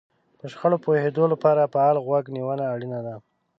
په شخړه پوهېدو لپاره فعاله غوږ نيونه اړينه ده.